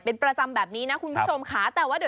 เป็นประจำแบบนี้นะคุณผู้ชมค่ะ